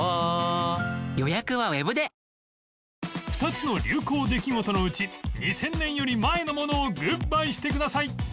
２つの流行・出来事のうち２０００年より前のものをグッバイしてください